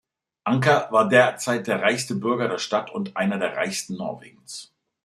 Anker war derzeit der reichste Bürger der Stadt und einer der reichsten Norwegens.